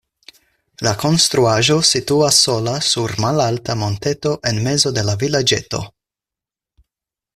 La konstruaĵo situas sola sur malalta monteto en mezo de la vilaĝeto.